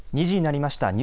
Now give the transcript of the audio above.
２時になりました。